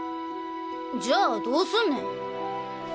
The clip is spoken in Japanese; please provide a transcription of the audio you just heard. じゃあどうすんねん